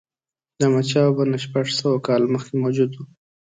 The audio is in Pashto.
د احمدشاه بابا نه شپږ سوه کاله مخکې موجود و.